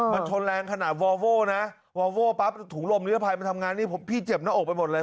มันชนแรงขนาดนะพรุ่งลมเลือดภัยมันทำงานพี่เจ็บหน้าอกไปหมดเลย